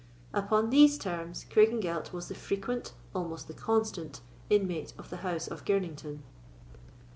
Upon these terms, Craigengelt was the frequent, almost the constant, inmate of the house of Girnington.